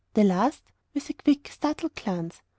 "The last?" with a quick, startled glance.